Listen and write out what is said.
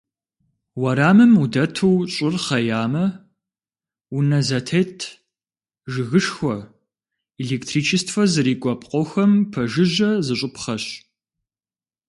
Уэрамым удэту щӏыр хъеямэ, унэ зэтет, жыгышхуэ, электричествэ зрикӏуэ пкъохэм пэжыжьэ зыщӏыпхъэщ.